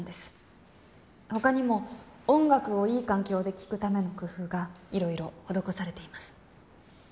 他にも音楽をいい環境で聴くための工夫がいろいろ施されています。